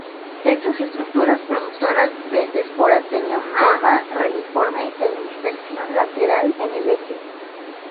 Estas estructuras productoras de esporas tenían forma reniforme e inserción lateral en el eje.